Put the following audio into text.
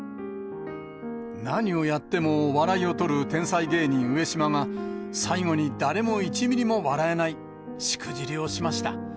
何をやっても笑いを取る天才芸人上島が、最後に誰も１ミリも笑えないしくじりをしました。